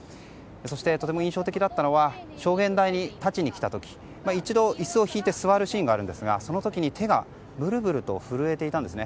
そして、とても印象的だったのは証言台に立ちに来た時一度、椅子を引いて座るシーンがあるんですがその時に、手がブルブルと震えていたんですね。